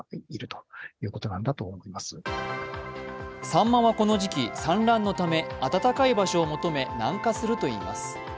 さんまはこの時期、産卵のため暖かい場所を求め南下するといいます。